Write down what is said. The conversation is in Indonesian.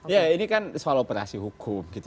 ya ini kan soal operasi hukum